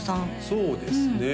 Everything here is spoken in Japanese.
そうですね